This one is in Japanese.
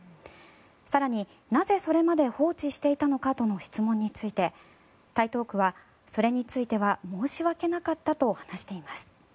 更に、なぜそれまで放置していたのかとの質問について台東区は、それについては申し訳なかったと話しています。